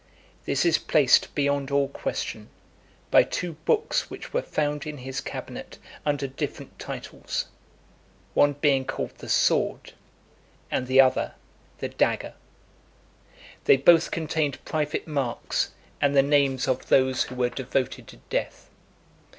This is placed beyond all question, by two books which were found in his cabinet (285) under different titles; one being called the sword, and the other, the dagger. They both contained private marks, and the names of those who were devoted to death.